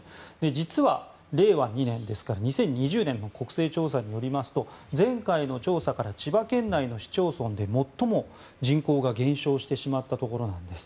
実は令和２年ですから２０２０年の国勢調査によりますと前回の調査から千葉県内の市町村で最も人口が減少してしまったところなんです。